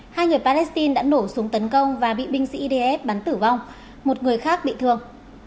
hai người palestine đã nổ súng tấn công và bị binh sĩ idf bắn tử vong một người khác bị thương